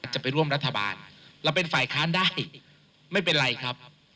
จะไปร่วมรัฐบาลเราเป็นฝ่ายค้านได้ไม่เป็นไรครับ